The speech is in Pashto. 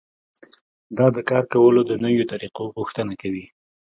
دا د کار کولو د نويو طريقو غوښتنه کوي.